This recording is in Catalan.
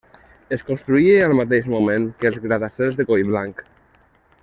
Es construí al mateix moment que els gratacels de Collblanc.